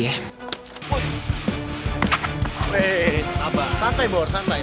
weh sabar santai bor santai